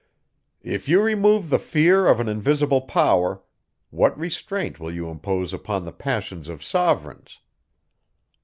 "If you remove the fear of an invisible power, what restraint will you impose upon the passions of sovereigns?"